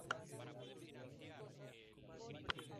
Jimmy es un joven adolescente con una gran pasión por el boxeo.